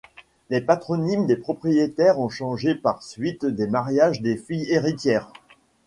Les patronymes des propriétaires ont changé par suite des mariages des filles héritières.